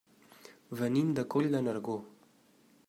Venim de Coll de Nargó.